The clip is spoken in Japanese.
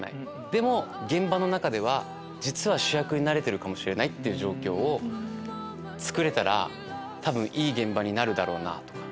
でも現場の中では実は主役になれてるかもしれないっていう状況をつくれたら多分いい現場になるだろうと。